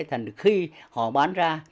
thành khi họ bán ra